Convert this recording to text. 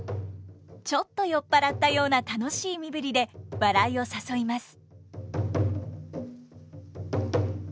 ちょっと酔っ払ったような楽しい身振りで笑いを誘います。